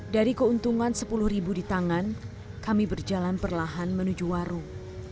dari keuntungan sepuluh ribu di tangan kami berjalan perlahan menuju warung